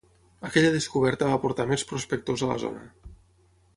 Aquella descoberta va portar més prospectors a la zona.